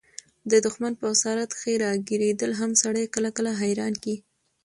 د دښمن په اسارت کښي راګیرېدل هم سړى کله – کله حيران کي.